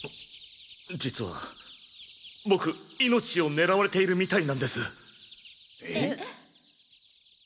実は僕命を狙われているみたいなんです。え？